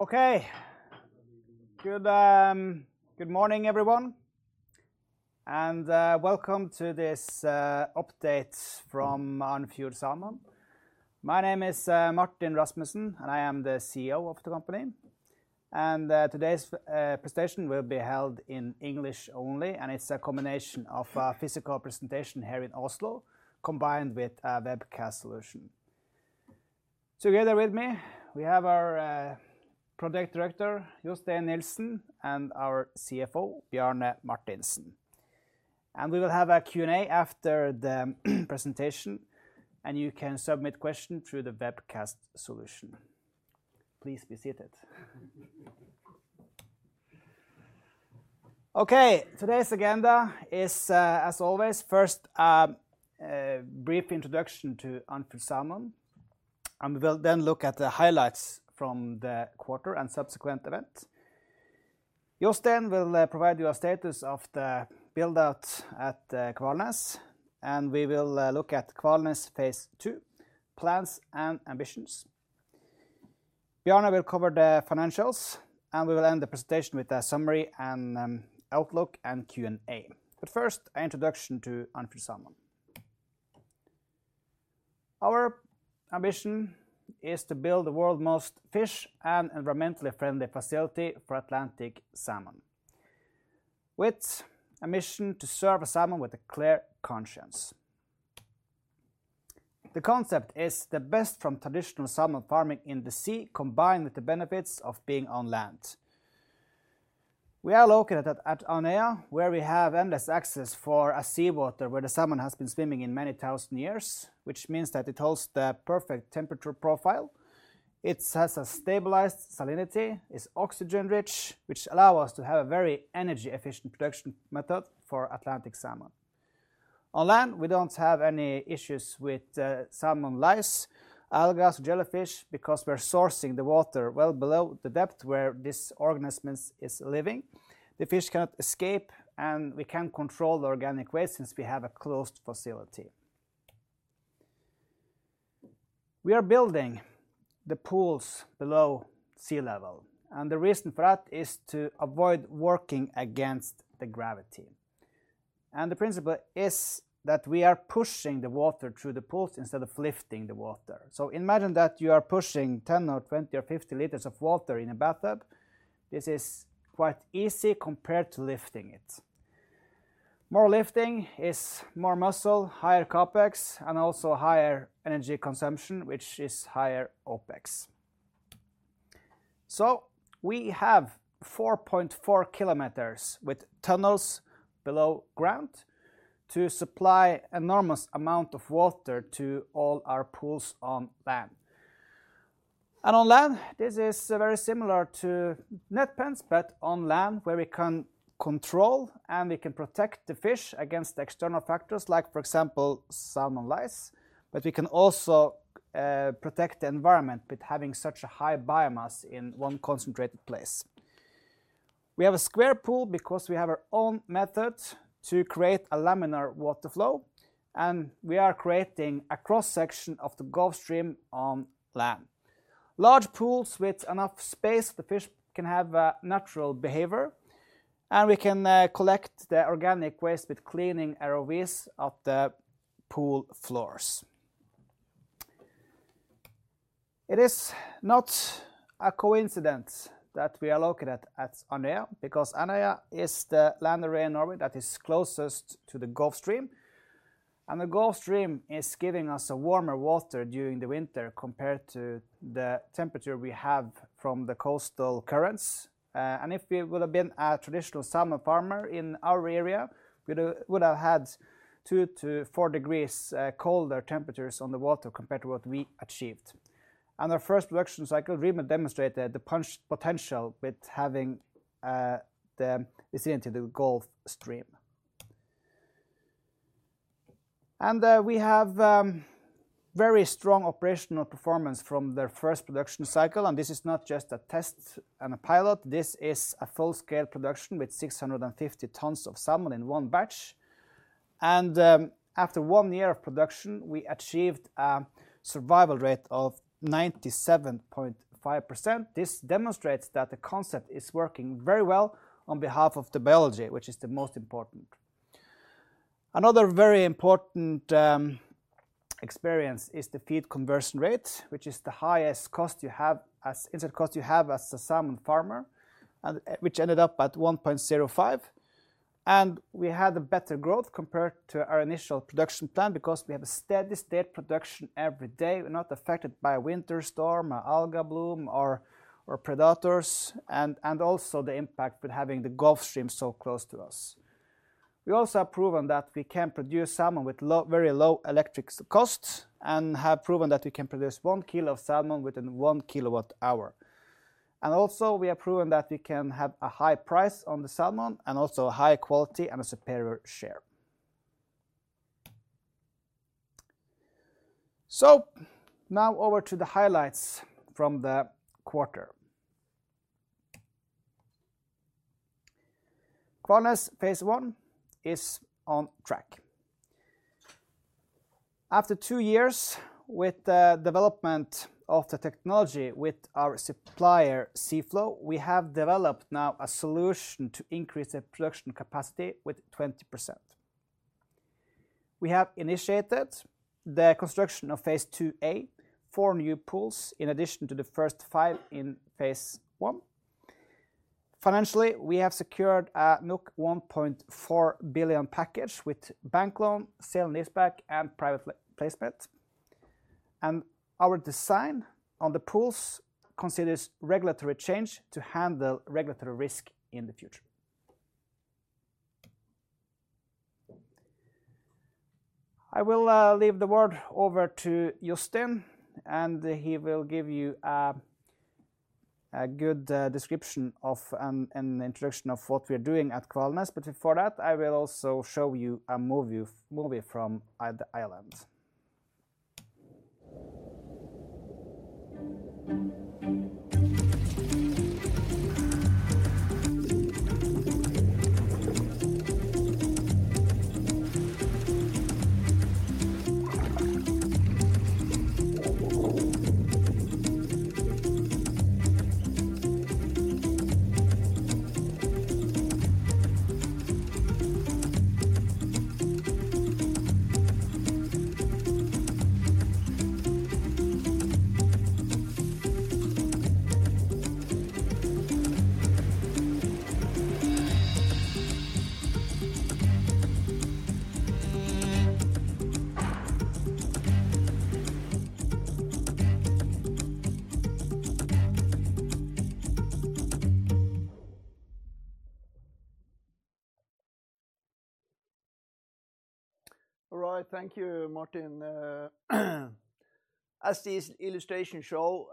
Okay, Good Morning everyone, and Welcome to this update from Andfjord Salmon. My name is Martin Rasmussen, and I am the CEO of the company. Today's presentation will be held in English only, and it's a combination of a physical presentation here in Oslo, combined with a webcast solution. Together with me, we have our Project Director, Jostein Nilssen, and our CFO, Bjarne Martinsen. We will have a Q&A after the presentation, and you can submit questions through the webcast solution. Please be seated. Today's agenda is, as always, first a brief introduction to Andfjord Salmon, and we will then look at the highlights from the quarter and subsequent events. Jostein will provide you a status of the build-out at Kvalnes, and we will look at Kvalnes Phase 2, plans and ambitions. Bjarne will cover the financials, and we will end the presentation with a summary and outlook and Q&A. First, an introduction to Andfjord Salmon. Our ambition is to build the world's most fish and environmentally friendly facility for Atlantic salmon, with a mission to serve salmon with a clear conscience. The concept is the best from traditional salmon farming in the sea, combined with the benefits of being on land. We are located at Andøya, where we have endless access for seawater where the salmon has been swimming in many thousand years, which means that it holds the perfect temperature profile. It has a stabilized salinity, is oxygen-rich, which allows us to have a very energy-efficient production method for Atlantic salmon. On land, we do not have any issues with salmon lice, algae, jellyfish, because we are sourcing the water well below the depth where this organism is living. The fish cannot escape, and we can control the organic waste since we have a closed facility. We are building the pools below sea level, and the reason for that is to avoid working against gravity. The principle is that we are pushing the water through the pools instead of lifting the water. Imagine that you are pushing 10 or 20 or 50 liters of water in a bathtub. This is quite easy compared to lifting it. More lifting is more muscle, higher CapEx, and also higher energy consumption, which is higher OpEx. We have 4.4 kilometers with tunnels below ground to supply an enormous amount of water to all our pools on land. On land, this is very similar to net pens, but on land, where we can control and we can protect the fish against external factors, like, for example, salmon lice. We can also protect the environment with having such a high biomass in one concentrated place. We have a square pool because we have our own method to create a laminar water flow, and we are creating a cross-section of the Gulf Stream on land. Large pools with enough space for the fish can have a natural behavior, and we can collect the organic waste with cleaning ROVs at the pool floors. It is not a coincidence that we are located at Andøya, because Andøya is the land area in Norway that is closest to the Gulf Stream. The Gulf Stream is giving us warmer water during the winter compared to the temperature we have from the coastal currents. If we would have been a traditional salmon farmer in our area, we would have had two to four degrees colder temperatures on the water compared to what we achieved. Our first production cycle, REMAT, demonstrated the potential with having the vicinity of the Gulf Stream. We have very strong operational performance from the first production cycle, and this is not just a test and a pilot. This is a full-scale production with 650 tons of salmon in one batch. After one year of production, we achieved a survival rate of 97.5%. This demonstrates that the concept is working very well on behalf of the biology, which is the most important. Another very important experience is the feed conversion rate, which is the highest cost you have as inset cost you have as a salmon farmer, which ended up at 1.05. We had a better growth compared to our initial production plan because we have a steady state production every day. We're not affected by a winter storm, an algae bloom, or predators, and also the impact with having the Gulf Stream so close to us. We also have proven that we can produce salmon with very low electric costs and have proven that we can produce one kilo of salmon within one kilowatt hour. We have proven that we can have a high price on the salmon and also a high quality and a superior share. Now over to the highlights from the quarter. Kvalnes Phase 1 is on track. After two years with the development of the technology with our supplier, Cflow, we have developed now a solution to increase the production capacity with 20%. We have initiated the construction of Phase 2A, four new pools, in addition to the first five in Phase 1. Financially, we have secured a 1.4 billion package with bank loan, sale and leaseback, and private placement. Our design on the pools considers regulatory change to handle regulatory risk in the future. I will leave the word over to Jostein, and he will give you a good description of an introduction of what we're doing at Kvalnes. Before that, I will also show you a movie from the island. All right, thank you, Martin. As the illustration shows,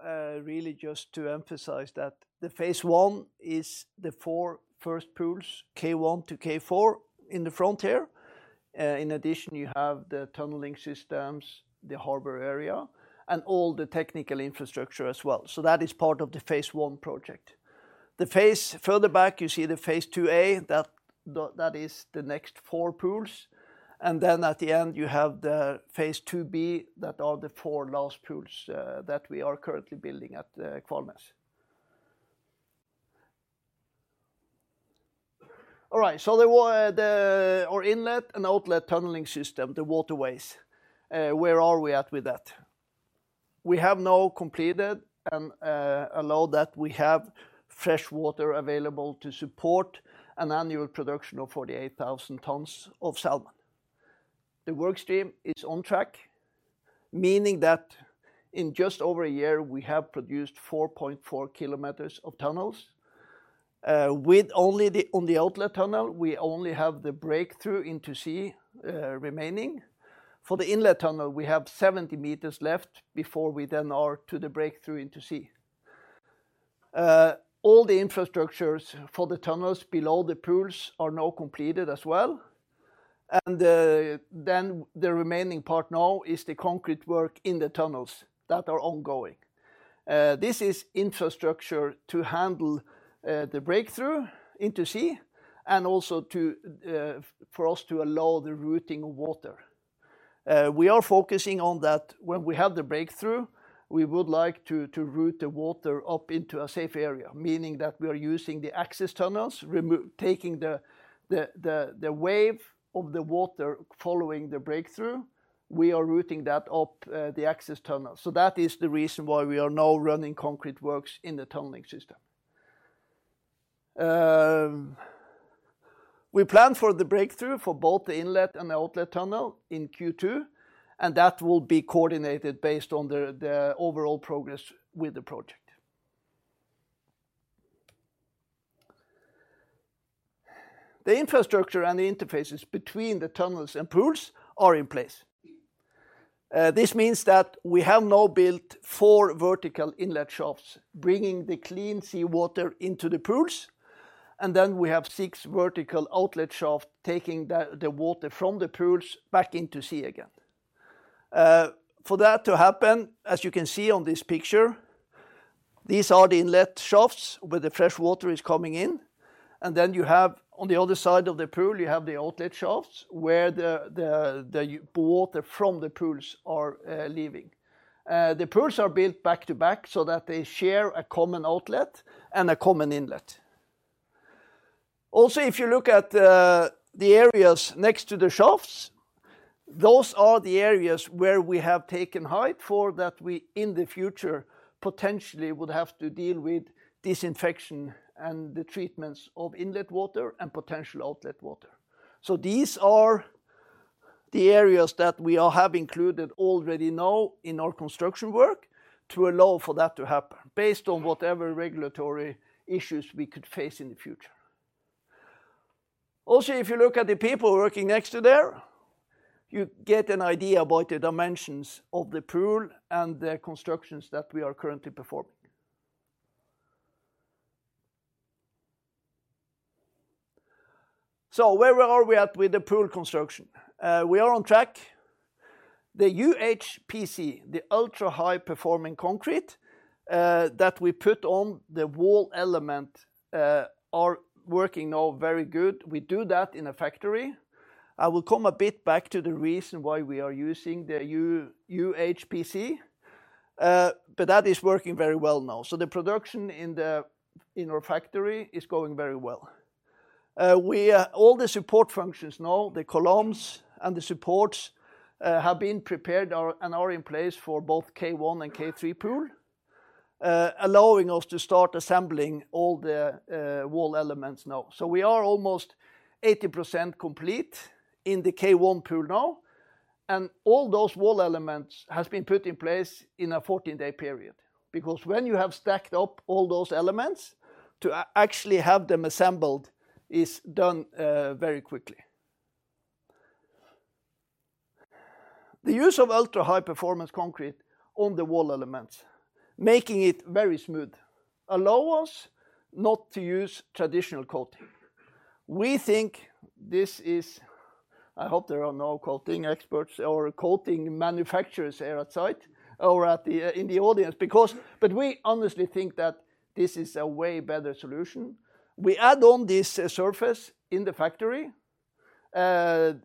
really just to emphasize that the Phase 1 is the four first pools, K1 to K4 in the frontier. In addition, you have the tunneling systems, the harbor area, and all the technical infrastructure as well. That is part of the Phase 1 project. The phase further back, you see the Phase 2A, that is the next four pools. At the end, you have the Phase 2B, that are the four last pools that we are currently building at Kvalnes. All right, our inlet and outlet tunneling system, the waterways, where are we at with that? We have now completed and allowed that we have fresh water available to support an annual production of 48,000 tons of salmon. The work stream is on track, meaning that in just over a year, we have produced 4.4 km of tunnels. On the outlet tunnel, we only have the breakthrough into sea remaining. For the inlet tunnel, we have 70 m left before we then are to the breakthrough into sea. All the infrastructures for the tunnels below the pools are now completed as well. The remaining part now is the concrete work in the tunnels that are ongoing. This is infrastructure to handle the breakthrough into sea and also for us to allow the routing of water. We are focusing on that when we have the breakthrough, we would like to route the water up into a safe area, meaning that we are using the access tunnels, taking the wave of the water following the breakthrough. We are routing that up the access tunnel. That is the reason why we are now running concrete works in the tunneling system. We plan for the breakthrough for both the inlet and the outlet tunnel in Q2, and that will be coordinated based on the overall progress with the project. The infrastructure and the interfaces between the tunnels and pools are in place. This means that we have now built four vertical inlet shafts bringing the clean seawater into the pools, and then we have six vertical outlet shafts taking the water from the pools back into sea again. For that to happen, as you can see on this picture, these are the inlet shafts where the fresh water is coming in. You have on the other side of the pool, you have the outlet shafts where the water from the pools are leaving. The pools are built back to back so that they share a common outlet and a common inlet. Also, if you look at the areas next to the shafts, those are the areas where we have taken height for that we in the future potentially would have to deal with disinfection and the treatments of inlet water and potential outlet water. These are the areas that we have included already now in our construction work to allow for that to happen based on whatever regulatory issues we could face in the future. Also, if you look at the people working next to there, you get an idea about the dimensions of the pool and the constructions that we are currently performing. Where are we at with the pool construction? We are on track. The UHPC, the ultra-high performance concrete that we put on the wall element, are working now very good. We do that in a factory. I will come a bit back to the reason why we are using the UHPC, but that is working very well now. The production in our factory is going very well. All the support functions now, the columns and the supports have been prepared and are in place for both K1 and K3 pool, allowing us to start assembling all the wall elements now. We are almost 80% complete in the K1 pool now. All those wall elements have been put in place in a 14-day period because when you have stacked up all those elements, to actually have them assembled is done very quickly. The use of ultra-high performance concrete on the wall elements, making it very smooth, allows us not to use traditional coating. I hope there are no coating experts or coating manufacturers here at site or in the audience, but we honestly think that this is a way better solution. We add on this surface in the factory. The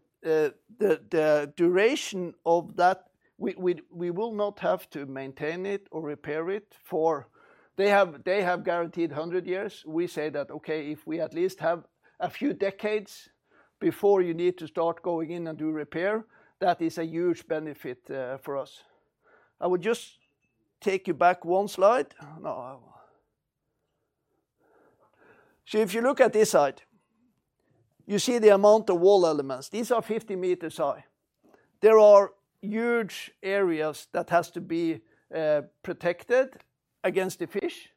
duration of that, we will not have to maintain it or repair it for they have guaranteed 100 years. We say that, okay, if we at least have a few decades before you need to start going in and do repair, that is a huge benefit for us. I will just take you back one slide. If you look at this side, you see the amount of wall elements. These are 50 meters high. There are huge areas that have to be protected against the fish,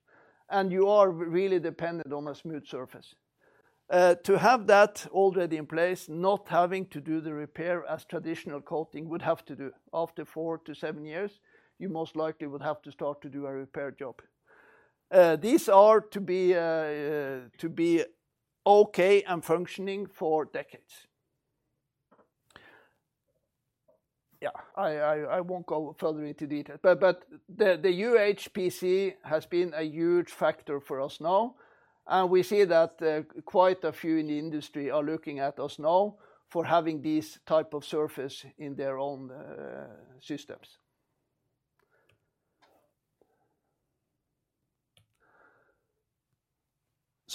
and you are really dependent on a smooth surface. To have that already in place, not having to do the repair as traditional coating would have to do after four to seven years, you most likely would have to start to do a repair job. These are to be okay and functioning for decades. Yeah, I won't go further into detail, but the UHPC has been a huge factor for us now. We see that quite a few in the industry are looking at us now for having these types of surfaces in their own systems.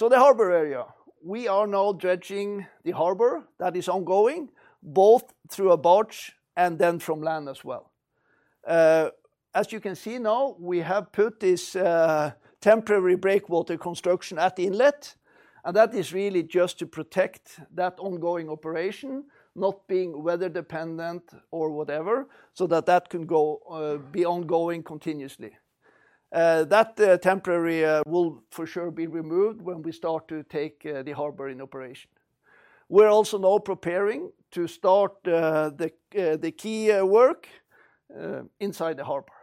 The harbor area, we are now dredging the harbor. That is ongoing both through a barge and then from land as well. As you can see now, we have put this temporary breakwater construction at the inlet, and that is really just to protect that ongoing operation, not being weather dependent or whatever, so that that can be ongoing continuously. That temporary will for sure be removed when we start to take the harbor in operation. We're also now preparing to start the key work inside the harbor.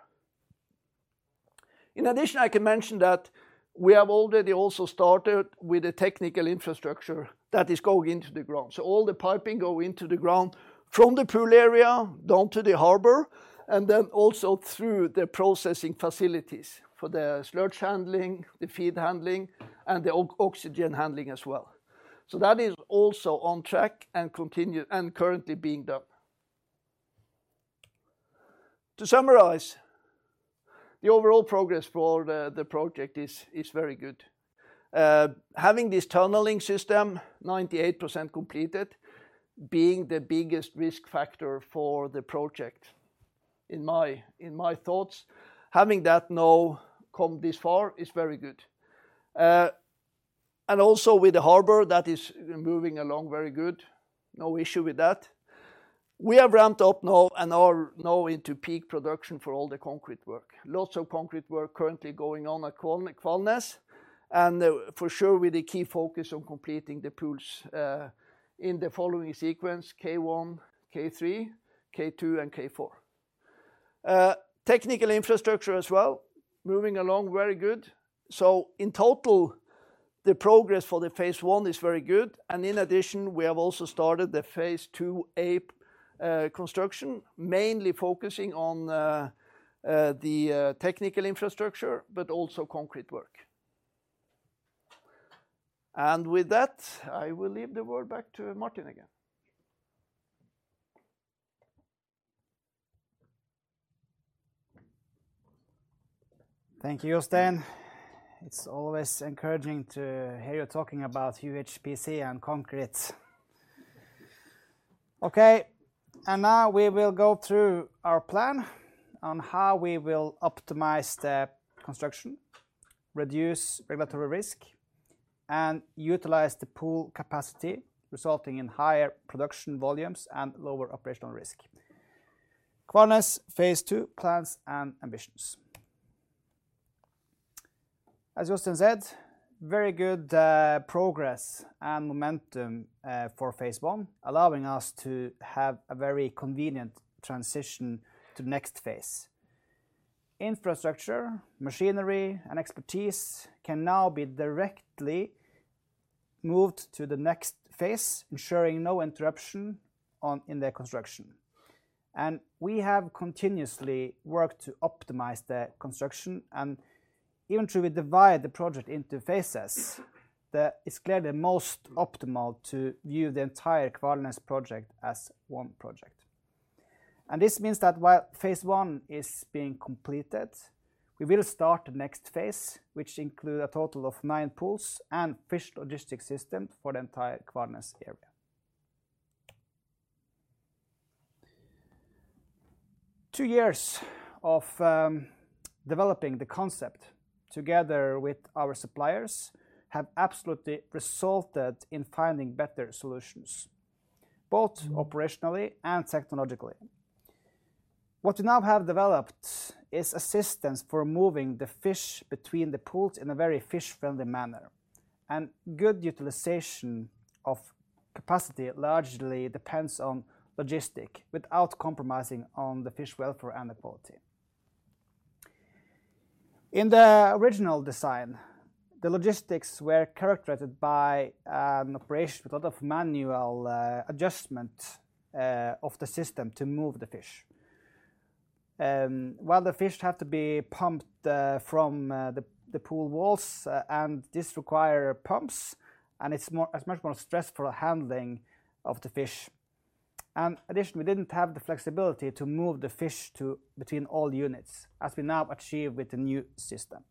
In addition, I can mention that we have already also started with the technical infrastructure that is going into the ground. All the piping goes into the ground from the pool area down to the harbor, and then also through the processing facilities for the sludge handling, the feed handling, and the oxygen handling as well. That is also on track and currently being done. To summarize, the overall progress for the project is very good. Having this tunneling system, 98% completed, being the biggest risk factor for the project, in my thoughts, having that now come this far is very good. Also with the harbor, that is moving along very good. No issue with that. We have ramped up now and are now into peak production for all the concrete work. Lots of concrete work currently going on at Kvalnes. For sure, with the key focus on completing the pools in the following sequence, K1, K3, K2, and K4. Technical infrastructure as well, moving along very good. In total, the progress for the Phase 1 is very good. In addition, we have also started the phase two A construction, mainly focusing on the technical infrastructure, but also concrete work. With that, I will leave the word back to Martin again. Thank you, Jostein. It's always encouraging to hear you talking about UHPC and concrete. Now we will go through our plan on how we will optimize the construction, reduce regulatory risk, and utilize the pool capacity, resulting in higher production volumes and lower operational risk. Kvalnes phase two plans and ambitions. As Jostein said, very good progress and momentum for Phase 1, allowing us to have a very convenient transition to the next phase. Infrastructure, machinery, and expertise can now be directly moved to the next phase, ensuring no interruption in the construction. We have continuously worked to optimize the construction. Even if we divide the project into phases, it is clearly most optimal to view the entire Kvalnes project as one project. This means that while Phase 1 is being completed, we will start the next phase, which includes a total of nine pools and fish logistics systems for the entire Kvalnes area. Two years of developing the concept together with our suppliers have absolutely resulted in finding better solutions, both operationally and technologically. What we now have developed is assistance for moving the fish between the pools in a very fish-friendly manner. Good utilization of capacity largely depends on logistics without compromising on the fish welfare and the quality. In the original design, the logistics were characterized by an operation with a lot of manual adjustment of the system to move the fish. While the fish have to be pumped from the pool walls, and this requires pumps, and it's much more stressful handling of the fish. Additionally, we didn't have the flexibility to move the fish between all units, as we now achieve with the new system.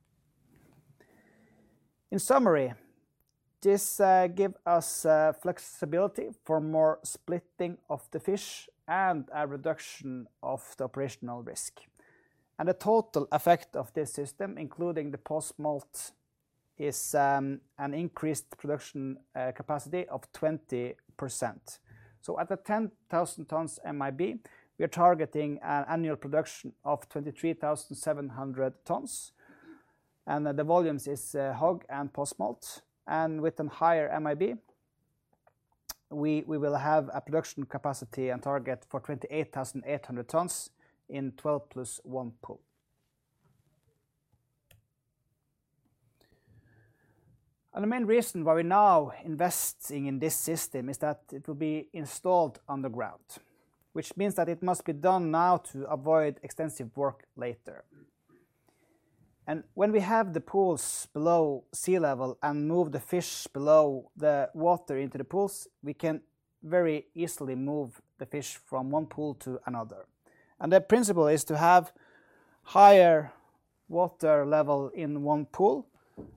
In summary, this gives us flexibility for more splitting of the fish and a reduction of the operational risk. The total effect of this system, including the postsmolt, is an increased production capacity of 20%. At the 10,000 tons MIB, we are targeting an annual production of 23,700 tons. The volume is hog and postsmolt. With a higher MIB, we will have a production capacity and target for 28,800 tons in 12 plus one pool. The main reason why we're now investing in this system is that it will be installed underground, which means that it must be done now to avoid extensive work later. When we have the pools below sea level and move the fish below the water into the pools, we can very easily move the fish from one pool to another. The principle is to have higher water level in one pool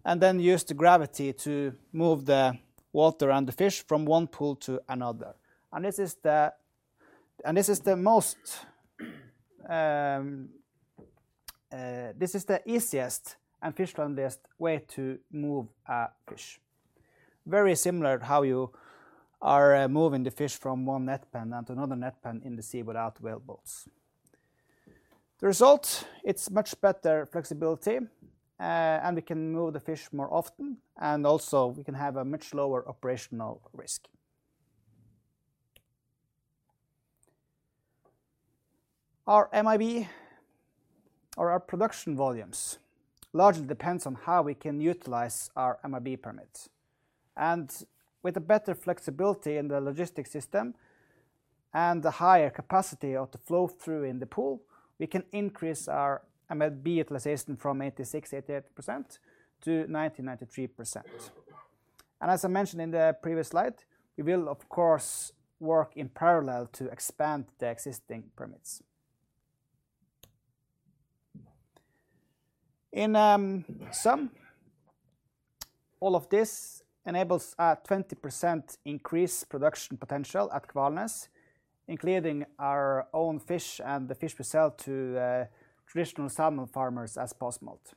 and then use the gravity to move the water and the fish from one pool to another. This is the easiest and fish-friendliest way to move a fish. Very similar to how you are moving the fish from one net pen to another net pen in the sea without whale boats. The result, it's much better flexibility, and we can move the fish more often, and also we can have a much lower operational risk. Our MIB, or our production volumes, largely depends on how we can utilize our MIB permit. With better flexibility in the logistics system and the higher capacity of the flow-through in the pool, we can increase our MIB utilization from 86%-88% to 90%-93%. As I mentioned in the previous slide, we will, of course, work in parallel to expand the existing permits. In sum, all of this enables a 20% increase production potential at Kvalnes, including our own fish and the fish we sell to traditional salmon farmers as postsmolt.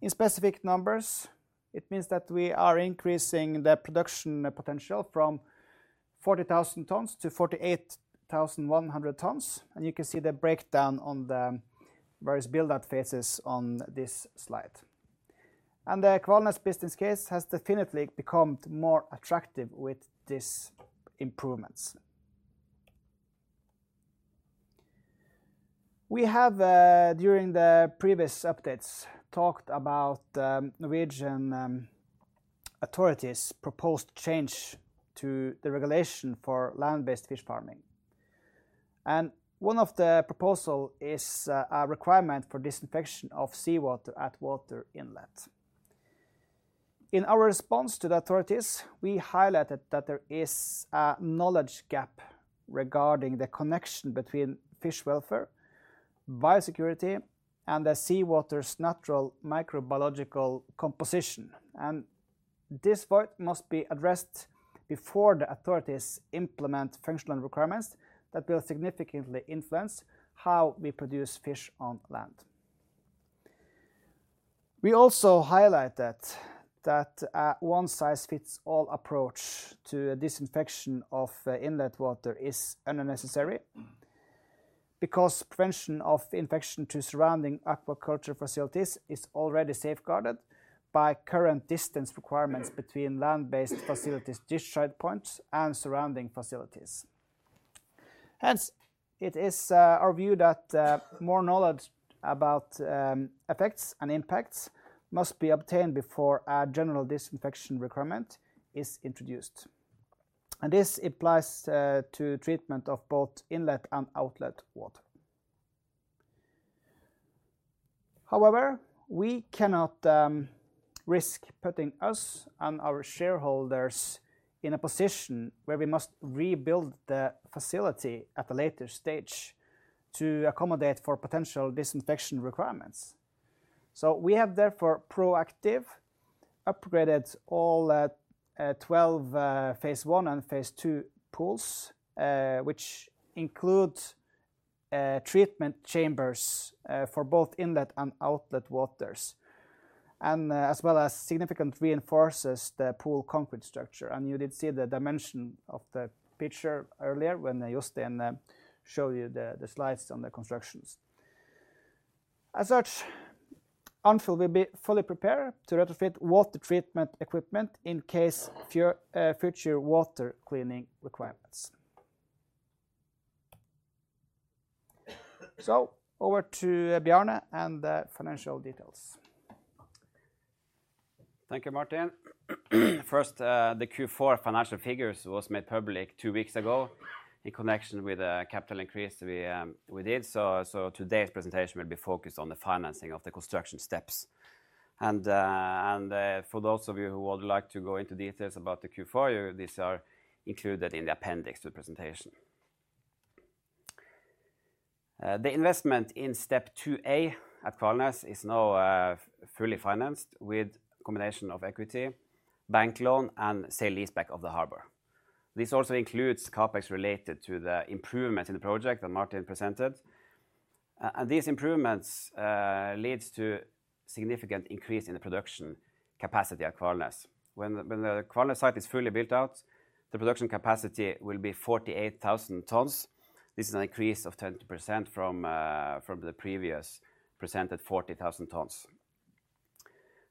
In specific numbers, it means that we are increasing the production potential from 40,000 tons to 48,100 tons. You can see the breakdown on the various build-out phases on this slide. The Kvalnes business case has definitely become more attractive with these improvements. We have, during the previous updates, talked about Norwegian authorities' proposed change to the regulation for land-based fish farming. One of the proposals is a requirement for disinfection of seawater at water inlet. In our response to the authorities, we highlighted that there is a knowledge gap regarding the connection between fish welfare, biosecurity, and the seawater's natural microbiological composition. This gap must be addressed before the authorities implement functional requirements that will significantly influence how we produce fish on land. We also highlighted that a one-size-fits-all approach to disinfection of inlet water is unnecessary because prevention of infection to surrounding aquaculture facilities is already safeguarded by current distance requirements between land-based facilities discharge points and surrounding facilities. Hence, it is our view that more knowledge about effects and impacts must be obtained before a general disinfection requirement is introduced. This applies to treatment of both inlet and outlet water. However, we cannot risk putting us and our shareholders in a position where we must rebuild the facility at a later stage to accommodate for potential disinfection requirements. We have therefore proactively upgraded all 12 Phase 1 and phase two pools, which include treatment chambers for both inlet and outlet waters, as well as significantly reinforces the pool concrete structure. You did see the dimension of the picture earlier when Jostein showed you the slides on the constructions. As such, until we fully prepare to retrofit water treatment equipment in case of future water cleaning requirements. Over to Bjarne and the financial details. Thank you, Martin. First, the Q4 financial figures were made public two weeks ago in connection with the capital increase we did. Today's presentation will be focused on the financing of the construction steps. For those of you who would like to go into details about the Q4, these are included in the appendix to the presentation. The investment in Step 2A at Kvalnes is now fully financed with a combination of equity, bank loan, and sale leaseback of the harbor. This also includes CapEx related to the improvements in the project that Martin presented. These improvements lead to a significant increase in the production capacity at Kvalnes. When the Kvalnes site is fully built out, the production capacity will be 48,000 tons. This is an increase of 20% from the previously presented 40,000 tons.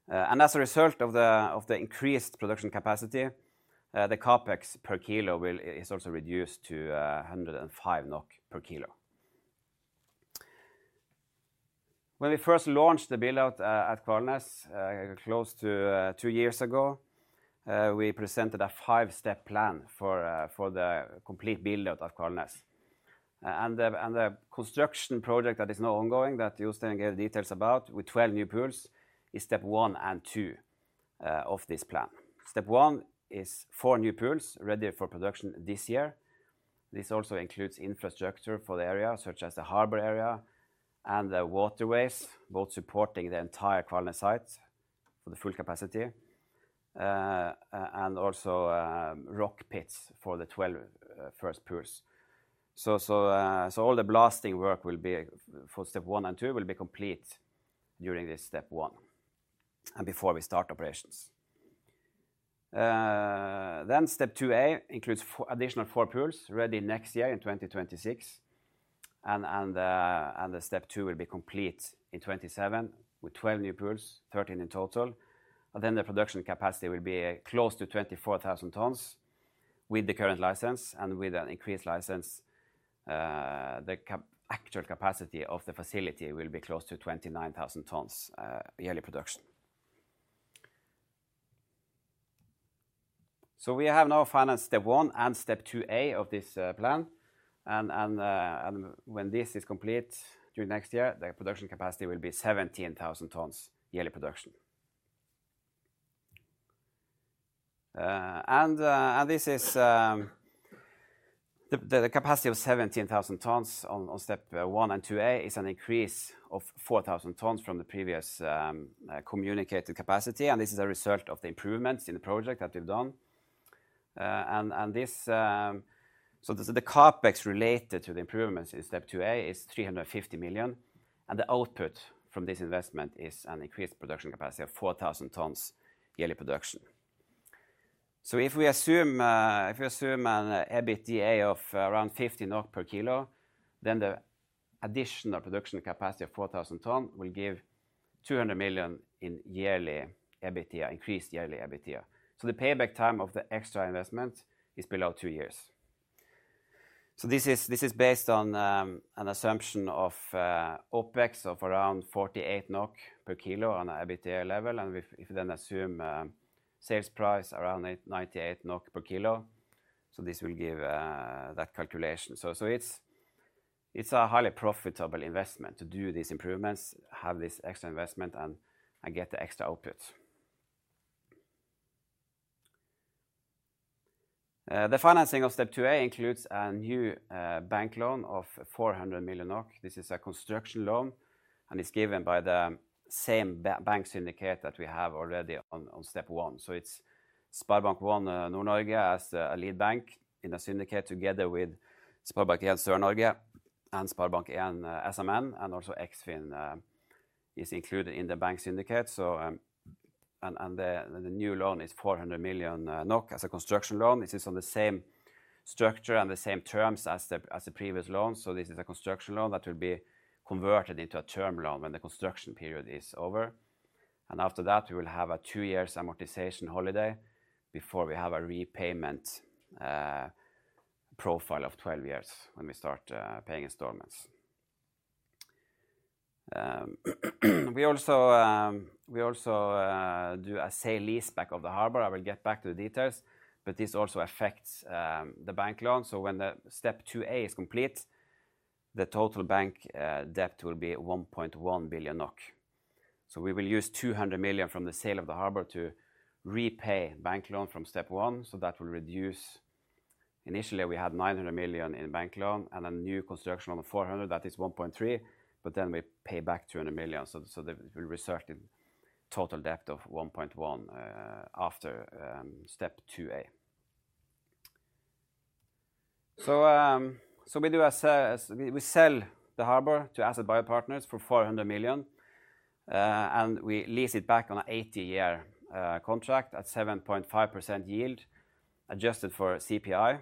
As a result of the increased production capacity, the CapEx per kilo is also reduced to 105 NOK per kilo. When we first launched the build-out at Kvalnes, close to two years ago, we presented a five-step plan for the complete build-out of Kvalnes. The construction project that is now ongoing that Jostein gave details about with 12 new pools is Step 1 and two of this plan. Step 1 is four new pools ready for production this year. This also includes infrastructure for the area, such as the harbor area and the waterways, both supporting the entire Kvalnes site for the full capacity, and also rock pits for the first 12 pools. All the blasting work for Step 1 and two will be complete during this Step 1 and before we start operations. Step 2A includes an additional four pools ready next year in 2026. Step two will be complete in 2027 with 12 new pools, 13 in total. The production capacity will be close to 24,000 tons with the current license and with an increased license. The actual capacity of the facility will be close to 29,000 tons yearly production. We have now financed Step 1 and Step 2A of this plan. When this is complete during next year, the production capacity will be 17,000 tons yearly production. The capacity of 17,000 tons on Step 1 and 2A is an increase of 4,000 tons from the previously communicated capacity. This is a result of the improvements in the project that we've done. The CapEx related to the improvements in Step 2A is 350 million. The output from this investment is an increased production capacity of 4,000 tons yearly production. If we assume an EBITDA of around 15 per kilo, then the additional production capacity of 4,000 tons will give 200 million in yearly EBITDA, increased yearly EBITDA. The payback time of the extra investment is below two years. This is based on an assumption of OpEx of around NOK 48 per kilo on an EBITDA level. If we then assume sales price around 98 NOK per kilo, this will give that calculation. It is a highly profitable investment to do these improvements, have this extra investment, and get the extra output. The financing of Step 2A includes a new bank loan of 400 million. This is a construction loan, and it is given by the same bank syndicate that we have already on Step 1. It is SpareBank 1 Nord-Norge as a lead bank in the syndicate together with SpareBank 1 Sør-Norge and SpareBank 1 SMN. Eksfin is also included in the bank syndicate. The new loan is 400 million NOK as a construction loan. This is on the same structure and the same terms as the previous loan. This is a construction loan that will be converted into a term loan when the construction period is over. After that, we will have a two-year amortization holiday before we have a repayment profile of 12 years when we start paying installments. We also do a sale leaseback of the harbor. I will get back to the details, but this also affects the bank loan. When Step 2A is complete, the total bank debt will be 1.1 billion NOK. We will use 200 million from the sale of the harbor to repay bank loan from Step 1. That will reduce, initially we had 900 million in bank loan and a new construction loan of 400 million, that is 1.3 billion, but then we pay back 200 million. It will result in total debt of 1.1 billion after Step 2A. We sell the harbor to Asset Buyout Partners for 400 million, and we lease it back on an 80-year contract at 7.5% yield adjusted for CPI.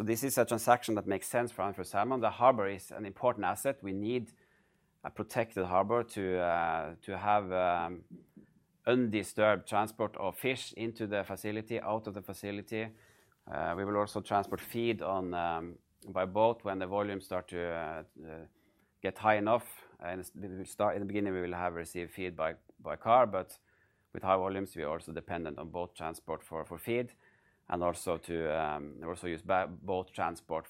This is a transaction that makes sense for Andfjord Salmon. The harbor is an important asset. We need a protected harbor to have undisturbed transport of fish into the facility, out of the facility. We will also transport feed by boat when the volumes start to get high enough. In the beginning, we will have received feed by car, but with high volumes, we are also dependent on boat transport for feed and also to use boat transport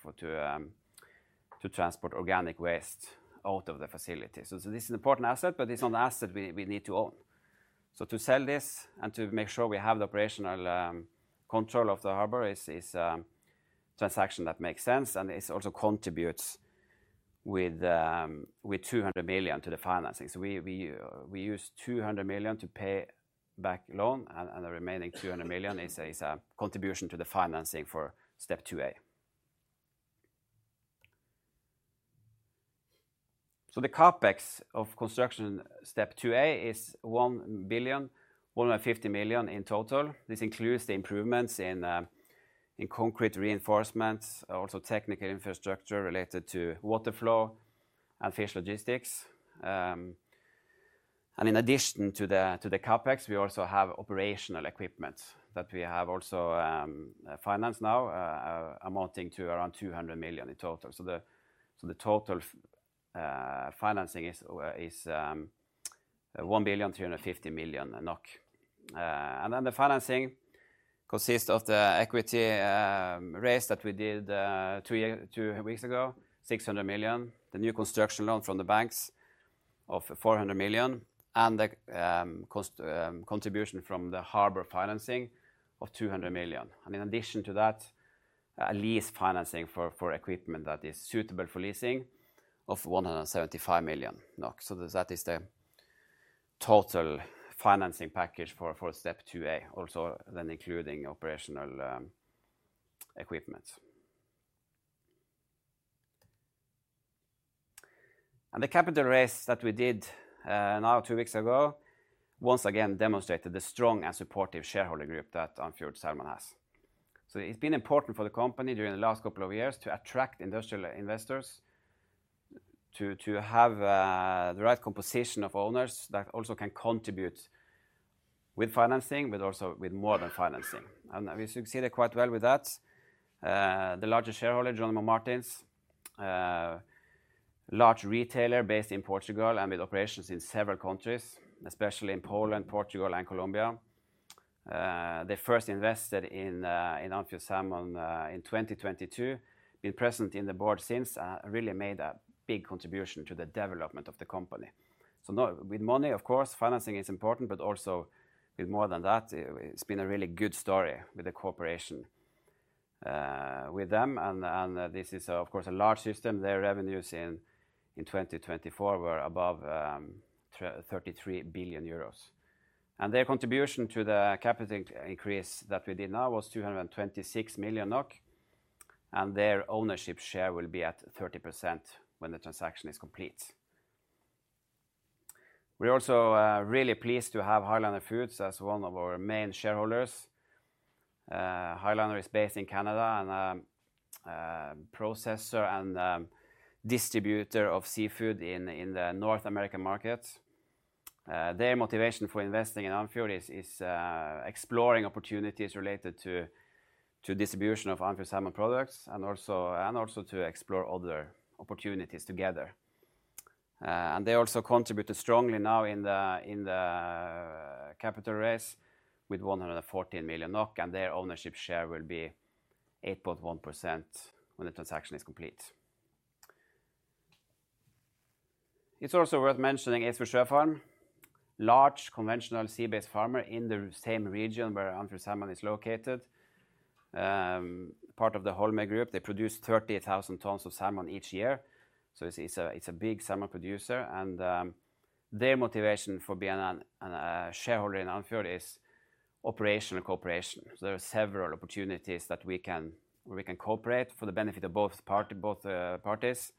to transport organic waste out of the facility. This is an important asset, but it's not an asset we need to own. To sell this and to make sure we have the operational control of the harbor is a transaction that makes sense, and it also contributes with 200 million to the financing. We use 200 million to pay back loan, and the remaining 200 million is a contribution to the financing for Step 2A. The CapEx of construction Step 2A is 1 billion, 150 million in total. This includes the improvements in concrete reinforcements, also technical infrastructure related to water flow and fish logistics. In addition to the CapEx, we also have operational equipment that we have also financed now, amounting to around 200 million in total. The total financing is 1 billion, 350 million. The financing consists of the equity raise that we did two weeks ago, 600 million, the new construction loan from the banks of 400 million, and the contribution from the harbor financing of 200 million. In addition to that, a lease financing for equipment that is suitable for leasing of 175 million. That is the total financing package for Step 2A, also then including operational equipment. The capital raise that we did now two weeks ago once again demonstrated the strong and supportive shareholder group that Andfjord Salmon has. It has been important for the company during the last couple of years to attract industrial investors, to have the right composition of owners that also can contribute with financing, but also with more than financing. We succeeded quite well with that. The larger shareholder, Jerónimo Martins, a large retailer based in Portugal and with operations in several countries, especially in Poland, Portugal, and Colombia. They first invested in Andfjord Salmon in 2022, been present in the board since, and really made a big contribution to the development of the company. With money, of course, financing is important, but also with more than that, it has been a really good story with the cooperation with them. This is, of course, a large system. Their revenues in 2024 were above 33 billion euros. Their contribution to the capital increase that we did now was 226 million NOK. Their ownership share will be at 30% when the transaction is complete. We are also really pleased to have High Liner Foods as one of our main shareholders. High Liner is based in Canada and a processor and distributor of seafood in the North American market. Their motivation for investing in Andfjord is exploring opportunities related to distribution of Andfjord Salmon products and also to explore other opportunities together. They also contributed strongly now in the capital raise with 114 million NOK, and their ownership share will be 8.1% when the transaction is complete. It is also worth mentioning Eidsfjord Sjøfarm, a large conventional sea-based farmer in the same region where Andfjord Salmon is located, part of the Holmøy Group. They produce 30,000 tons of salmon each year. It is a big salmon producer. Their motivation for being a shareholder in Andfjord is operational cooperation. There are several opportunities that we can cooperate for the benefit of both parties.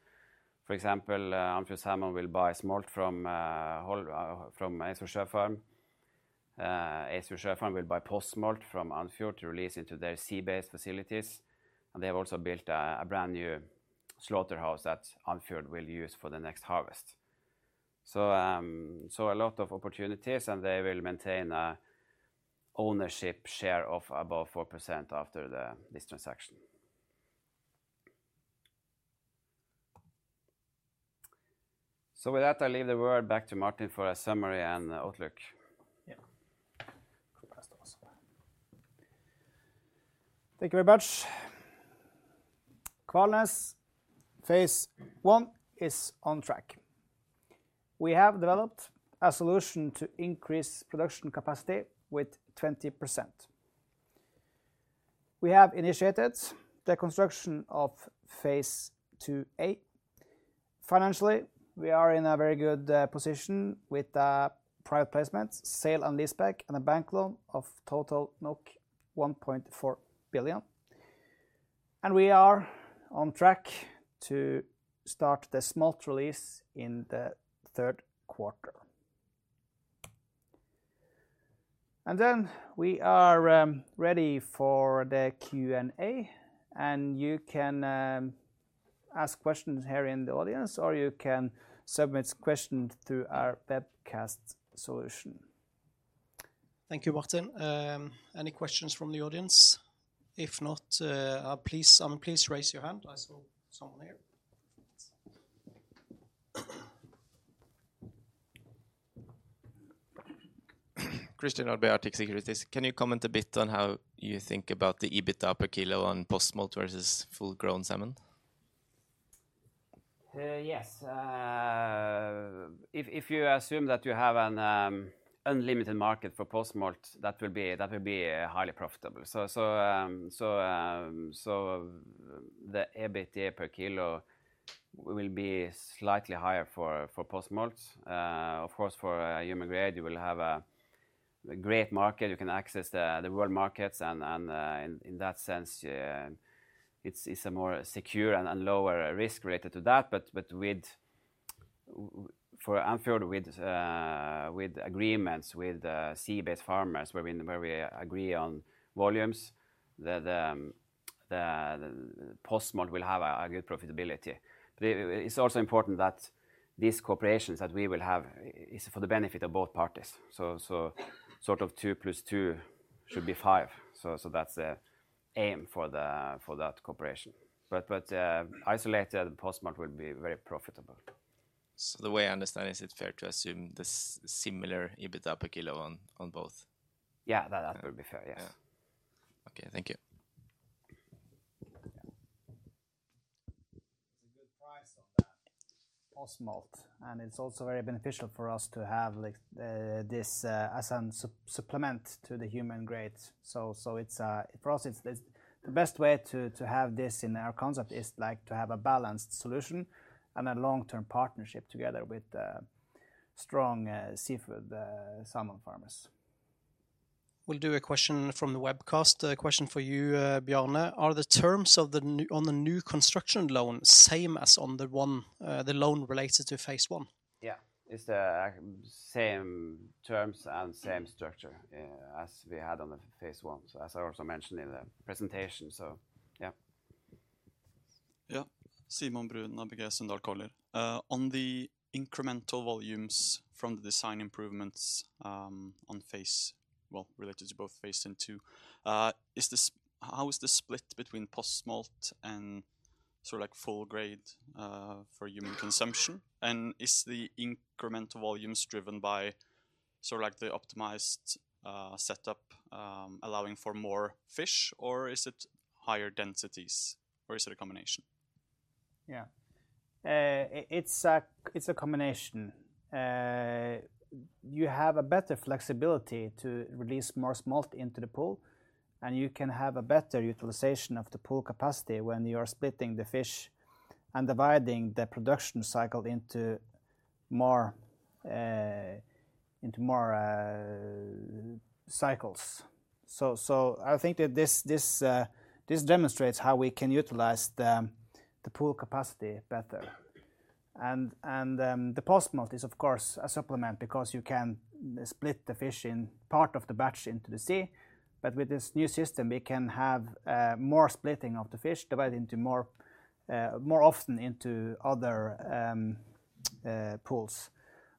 For example, Andfjord Salmon will buy smolt from Eidsfjord Sjøfarm. Eidsfjord Sjøfarm will buy postsmolt from Andfjord to release into their sea-based facilities. They have also built a brand new slaughterhouse that Andfjord will use for the next harvest. A lot of opportunities, and they will maintain an ownership share of above 4% after this transaction. With that, I'll leave the word back to Martin for a summary and outlook. Yeah. Thank you very much. Kvalnes Phase 1 is on track. We have developed a solution to increase production capacity with 20%. We have initiated the construction of phase 2A. Financially, we are in a very good position with a private placement, sale and leaseback, and a bank loan of total 1.4 billion. We are on track to start the smolt release in the third quarter. We are ready for the Q&A, and you can ask questions here in the audience, or you can submit questions through our webcast solution. Thank you, Martin. Any questions from the audience? If not, please raise your hand. I saw someone here. Christian Albeha at Tech Securities. Can you comment a bit on how you think about the EBITDA per kilo on postsmolt versus full-grown salmon? Yes. If you assume that you have an unlimited market for postsmolt, that will be highly profitable. The EBITDA per kilo will be slightly higher for postsmolt. Of course, for human grade, you will have a great market. You can access the world markets, and in that sense, it is a more secure and lower risk related to that. For Andfjord with agreements with sea-based farmers where we agree on volumes, the postsmolt will have a good profitability. It's also important that these cooperations that we will have is for the benefit of both parties. Two plus two should be five. That's the aim for that cooperation. Isolated, postsmolt will be very profitable. The way I understand is it's fair to assume the similar EBITDA per kilo on both? Yeah, that would be fair, yes. Thank you. It's a good price on that postsmolt. It's also very beneficial for us to have this as a supplement to the human grade. For us, the best way to have this in our concept is to have a balanced solution and a long-term partnership together with strong seafood salmon farmers. We'll do a question from the webcast. Question for you, Bjarne. Are the terms on the new construction loan same as on the loan related to phase 1? Yeah, it's the same terms and same structure as we had on the phase 1, as I also mentioned in the presentation. Yeah. Yeah. Simon Brunns, Bjarne Martinsen. On the incremental volumes from the design improvements on phase, well, related to both phase and 2, how is the split between postsmolt and sort of like full-grade for human consumption? Is the incremental volumes driven by sort of like the optimized setup allowing for more fish, or is it higher densities, or is it a combination? Yeah, it's a combination. You have a better flexibility to release more smolt into the pool, and you can have a better utilization of the pool capacity when you are splitting the fish and dividing the production cycle into more cycles. I think that this demonstrates how we can utilize the pool capacity better. The postsmolt is, of course, a supplement because you can split the fish in part of the batch into the sea. With this new system, we can have more splitting of the fish divided more often into other pools.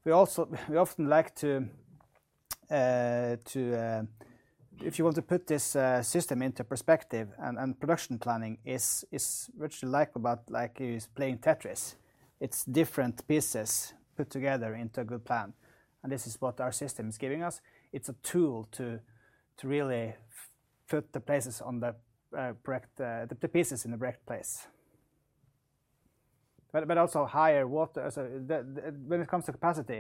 We often like to, if you want to put this system into perspective, and production planning is virtually like about playing Tetris. It is different pieces put together into a good plan. This is what our system is giving us. It is a tool to really put the pieces in the correct place. Also higher water. When it comes to capacity,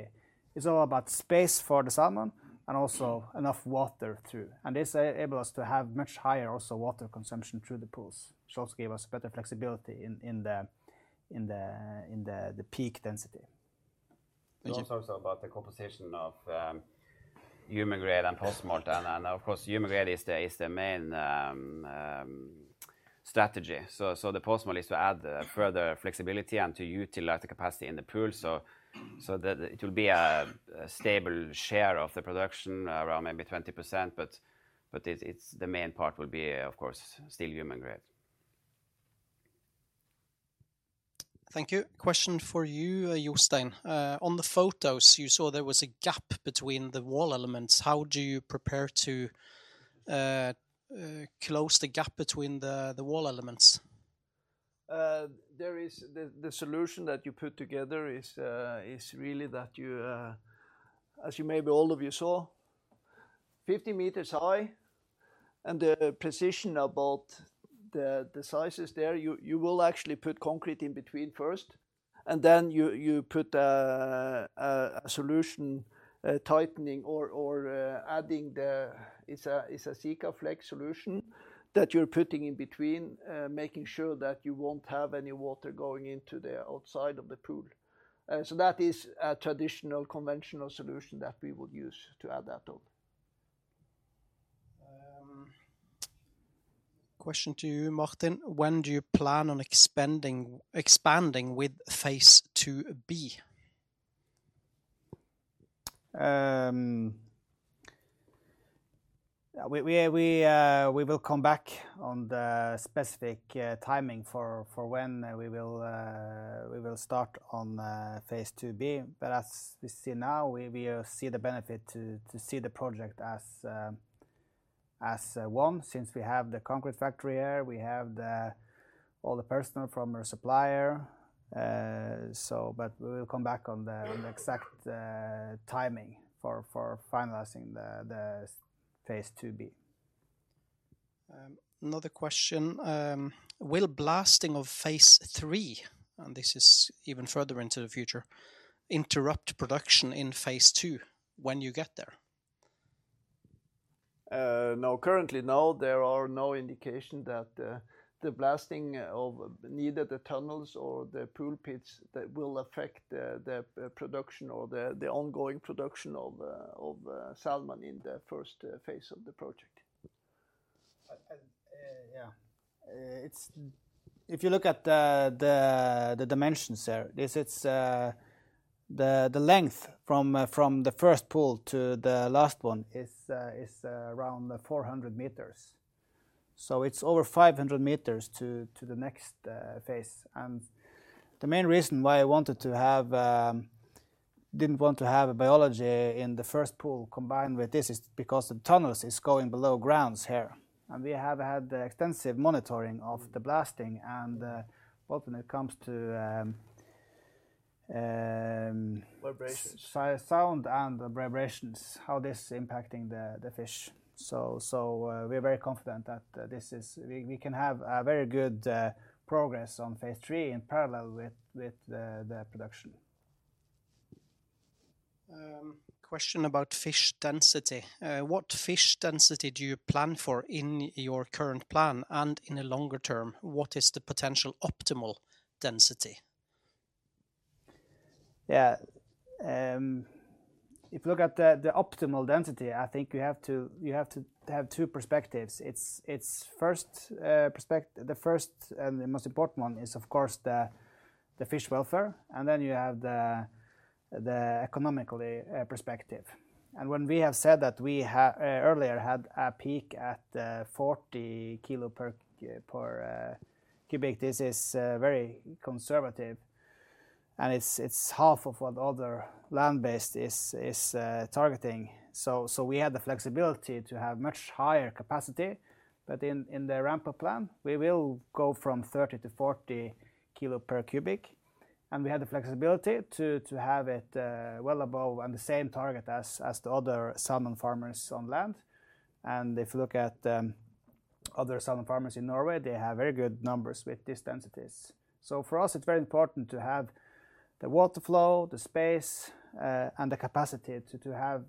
it is all about space for the salmon and also enough water through. This enables us to have much higher also water consumption through the pools, which also gives us better flexibility in the peak density. Thank you. I'll talk about the composition of human grade and postsmolt. Of course, human grade is the main strategy. The postsmolt is to add further flexibility and to utilize the capacity in the pool. It will be a stable share of the production, around maybe 20%, but the main part will be, of course, still human grade. Thank you. Question for you, Jostein. On the photos, you saw there was a gap between the wall elements. How do you prepare to close the gap between the wall elements? The solution that you put together is really that, as you maybe all of you saw, 50 meters high, and the precision about the sizes there, you will actually put concrete in between first, and then you put a solution tightening or adding the, it's a Sikaflex solution that you're putting in between, making sure that you won't have any water going into the outside of the pool. That is a traditional conventional solution that we would use to add that up. Question to you, Martin. When do you plan on expanding with phase 2B? We will come back on the specific timing for when we will start on phase 2B. As we see now, we see the benefit to see the project as one since we have the concrete factory here. We have all the personnel from our supplier. We will come back on the exact timing for finalizing the phase 2B. Another question. Will blasting of phase 3, and this is even further into the future, interrupt production in phase 2 when you get there? No, currently no. There are no indications that the blasting of neither the tunnels or the pool pits will affect the production or the ongoing production of salmon in the first phase of the project. Yeah. If you look at the dimensions there, the length from the first pool to the last one is around 400 meters. So it's over 500 meters to the next phase. The main reason why I did not want to have biology in the first pool combined with this is because the tunnels are going below ground here. We have had extensive monitoring of the blasting, both when it comes to vibrations, sound, and vibrations, how this is impacting the fish. We are very confident that we can have very good progress on phase 3 in parallel with the production. Question about fish density. What fish density do you plan for in your current plan and in the longer term? What is the potential optimal density? Yeah. If you look at the optimal density, I think you have to have two perspectives. The first and the most important one is, of course, the fish welfare, and then you have the economical perspective. When we have said that we earlier had a peak at 40 kilos per cubic, this is very conservative. It is half of what other land-based is targeting. We had the flexibility to have much higher capacity. In the ramp-up plan, we will go from 30 to 40 kilos per cubic. We had the flexibility to have it well above and the same target as the other salmon farmers on land. If you look at other salmon farmers in Norway, they have very good numbers with these densities. For us, it is very important to have the water flow, the space, and the capacity to have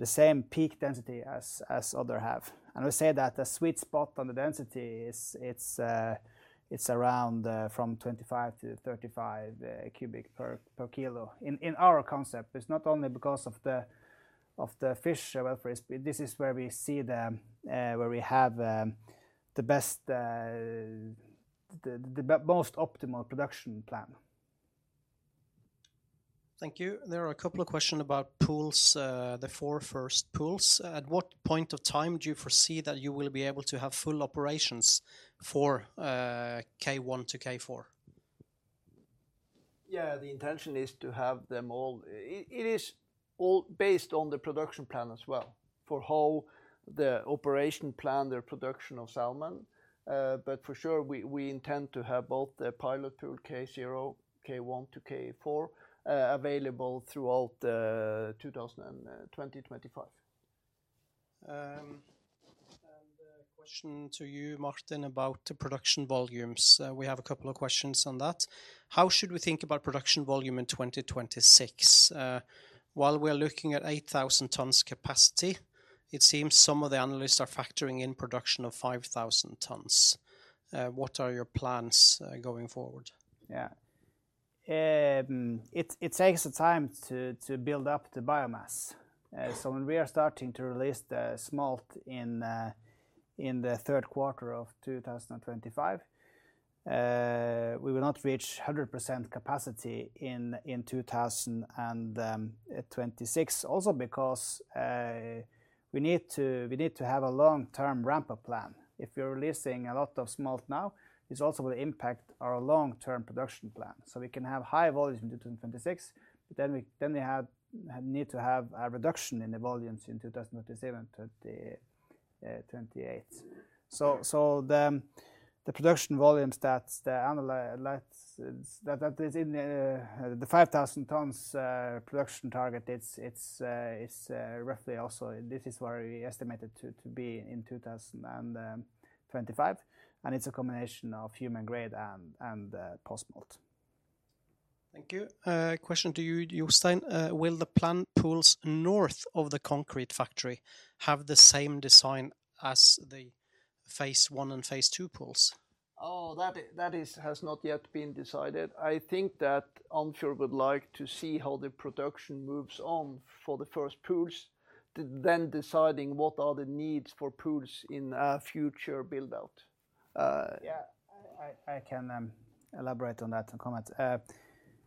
the same peak density as others have. We say that the sweet spot on the density is around from 25 to 35 cubic per kilo in our concept. It is not only because of the fish welfare. This is where we see where we have the most optimal production plan. Thank you. There are a couple of questions about pools, the four first pools. At what point of time do you foresee that you will be able to have full operations for K1 to K4? Yeah, the intention is to have them all. It is all based on the production plan as well for how the operation plan their production of salmon. For sure, we intend to have both the pilot pool K0, K1 to K4 available throughout 2025. A question to you, Martin, about the production volumes. We have a couple of questions on that. How should we think about production volume in 2026? While we're looking at 8,000 tons capacity, it seems some of the analysts are factoring in production of 5,000 tons. What are your plans going forward? Yeah. It takes time to build up the biomass. When we are starting to release the smolt in the third quarter of 2025, we will not reach 100% capacity in 2026. Also because we need to have a long-term ramp-up plan. If we're releasing a lot of smolt now, it's also going to impact our long-term production plan. We can have high volumes in 2026, but then we need to have a reduction in the volumes in 2027 to 2028. The production volumes that is in the 5,000 tons production target, it's roughly also this is where we estimated to be in 2025. It's a combination of human grade and postsmolt. Thank you. Question to you, Jostein. Will the planned pools north of the concrete factory have the same design as the phase 1 and phase 2 pools? That has not yet been decided. I think that Andfjord would like to see how the production moves on for the first pools, then deciding what are the needs for pools in future build-out. Yeah, I can elaborate on that and comment.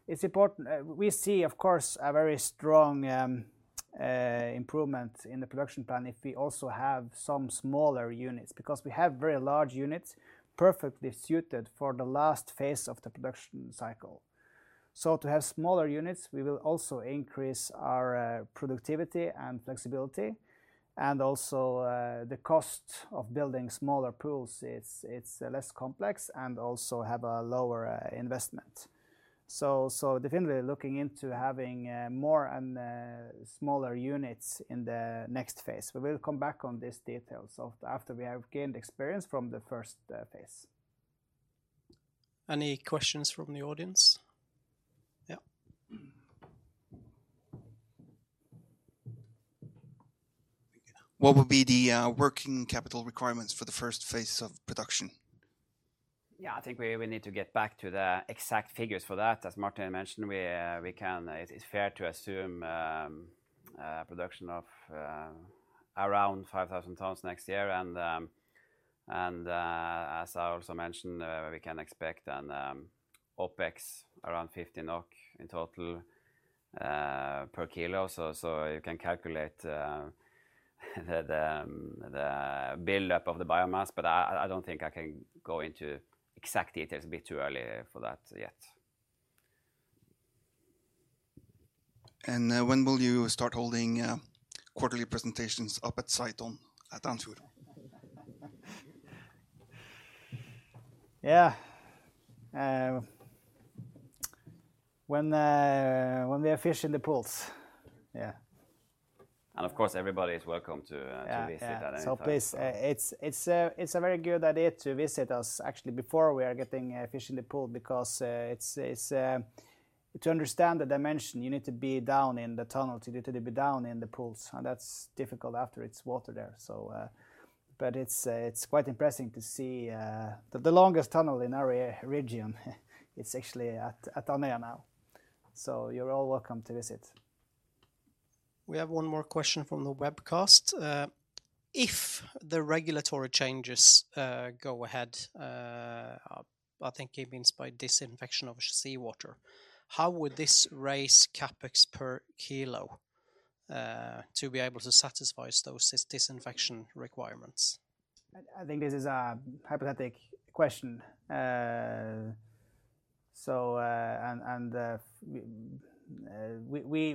It's important. We see, of course, a very strong improvement in the production plan if we also have some smaller units because we have very large units perfectly suited for the last phase of the production cycle. To have smaller units, we will also increase our productivity and flexibility. Also, the cost of building smaller pools is less complex and also has a lower investment. Definitely looking into having more and smaller units in the next phase. We will come back on these details after we have gained experience from the first phase. Any questions from the audience? Yeah. What would be the working capital requirements for the first phase of production? Yeah, I think we need to get back to the exact figures for that. As Martin mentioned, it's fair to assume production of around 5,000 tons next year. As I also mentioned, we can expect an OpEx around NOK 50 in total per kilo. You can calculate the build-up of the biomass. I don't think I can go into exact details, a bit too early for that yet. When will you start holding quarterly presentations up at Kvalnes at Andfjord? Yeah. When we have fish in the pools. Of course, everybody is welcome to visit at any time. It's a very good idea to visit us actually before we are getting fish in the pool because to understand the dimension, you need to be down in the tunnel to be down in the pools. That's difficult after it's water there. It's quite impressing to see the longest tunnel in our region. It's actually at Andøya now. You're all welcome to visit. We have one more question from the webcast. If the regulatory changes go ahead, I think it means by disinfection of seawater, how would this raise CapEx per kilo to be able to satisfy those disinfection requirements? I think this is a hypothetical question.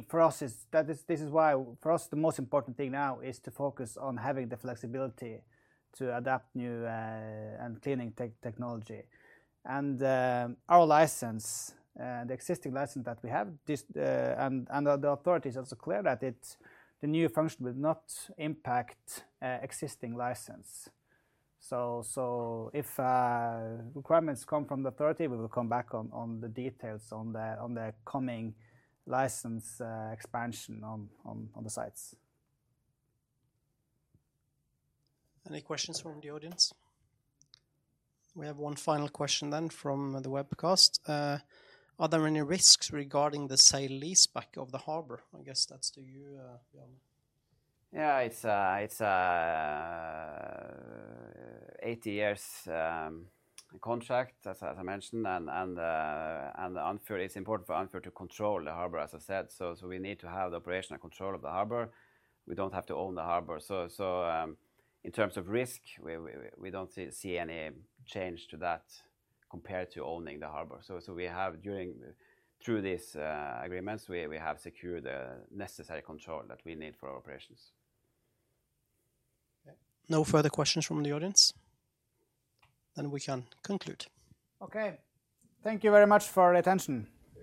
For us, the most important thing now is to focus on having the flexibility to adapt new and cleaning technology. Our license, the existing license that we have, and the authority is also clear that the new function will not impact existing license. If requirements come from the authority, we will come back on the details on the coming license expansion on the sites. Any questions from the audience? We have one final question from the webcast. Are there any risks regarding the sale lease back of the harbor? I guess that's to you, Bjarne. Yeah, it's an 80 years contract, as I mentioned. It's important for Andfjord to control the harbor, as I said. We need to have the operational control of the harbor. We don't have to own the harbor. In terms of risk, we don't see any change to that compared to owning the harbor. Through these agreements, we have secured the necessary control that we need for our operations. No further questions from the audience. We can conclude. Okay. Thank you very much for your attention.